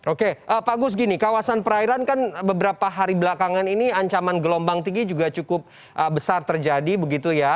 oke pak gus gini kawasan perairan kan beberapa hari belakangan ini ancaman gelombang tinggi juga cukup besar terjadi begitu ya